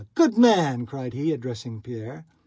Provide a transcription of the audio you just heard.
Good man!" cried he, addressing Pierre.